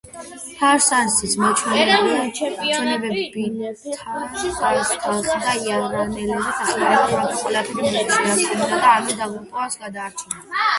ფარსანსი მოჩვენებითად დასთანხმდა ირანელებს დახმარებას, მაგრამ ყველაფერი მეფეს შეატყობინა და ამით დაღუპვას გადაარჩინა.